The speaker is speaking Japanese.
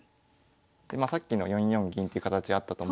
さっきの４四銀っていう形あったと思うんですけど。